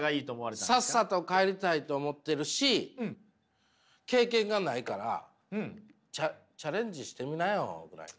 さっさと帰りたいと思ってるし経験がないからチャレンジしてみなよぐらいの。